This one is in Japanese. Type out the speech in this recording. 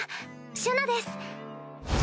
シュナです。